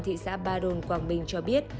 thị xã ba đồn quảng bình cho biết